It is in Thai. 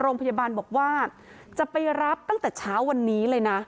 โรงพยาบาลบอกว่าจะไปรับตั้งแต่เช้าวันนี้เลยนะ